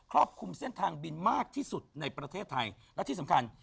รอบคุมเส้นทางบินมากที่สุดในประเทศไทยและที่สำคัญ